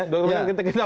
dua kemungkinan ya